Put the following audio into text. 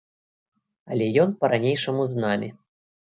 Але ён па-ранейшаму з намі.